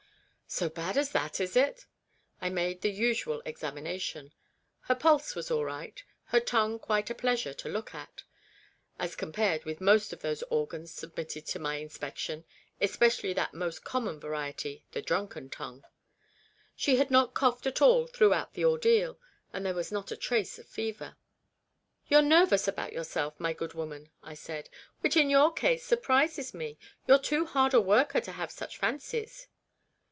" So bad as that, is it ?" I made the usual examination. Her pulse was all right, her tongue quite a pleasure to look at, as compared with most of those organs submitted to my inspection (especially that 13 204 REBECCA'S REMORSE. most common variety, the drunken tongue), she had not coughed at all throughout the ordeal, and there was not a trace of fever. "You're nervous about yourself, my good woman," I said, " which in your case surprises me; you're too hard a worker to have such fancies."